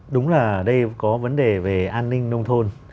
đúng là đây có vấn đề về an ninh nông thôn